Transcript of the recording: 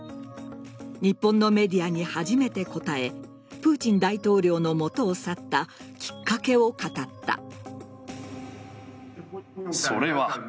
日本のメディアに初めて答えプーチン大統領の元を去ったきっかけを語った。